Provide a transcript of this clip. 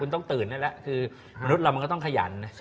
คุณต้องตื่นได้แล้วคือมนุษย์เรามันก็ต้องขยันนะ